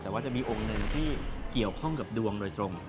แต่ว่าจะมีองค์หนึ่งที่เกี่ยวข้องกับดวงโดยตรง